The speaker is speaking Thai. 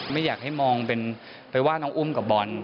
ไม่อยากให้มองเป็นไปว่าน้องอุ้มกับบอล